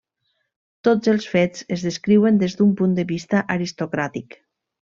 Tots els fets es descriuen des d'un punt de vista aristocràtic.